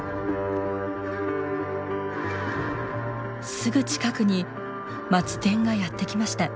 すぐ近くにマツテンがやって来ました。